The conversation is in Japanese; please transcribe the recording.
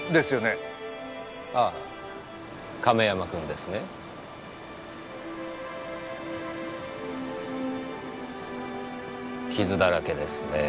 ああ亀山君ですね。傷だらけですねぇ。